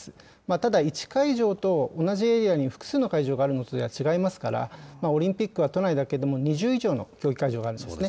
ただ１会場と同じエリアに複数の会場があるのとでは違いますから、オリンピックは都内だけでも２０以上の競技会場があるんですね。